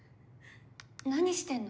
何してんの？